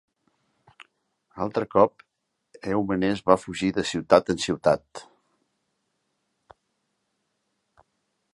Altre cop Èumenes va fugir de ciutat en ciutat.